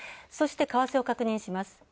そして、為替を確認します。